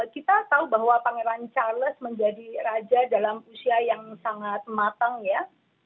kita tahu bahwa pangeran charles menjadi raja dalam usia yang sangat matang ya